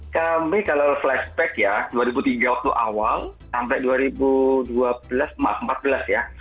kami kalau flashback ya dua ribu tiga waktu awal sampai dua ribu dua belas maaf empat belas ya